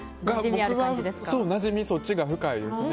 僕はなじみ、そっちが深いです。